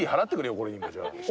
これにもじゃあ。